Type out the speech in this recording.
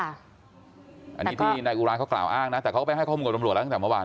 อันนี้ที่นายอุราเขากล่าวอ้างนะแต่เขาก็ไปให้ข้อมูลกับตำรวจแล้วตั้งแต่เมื่อวาน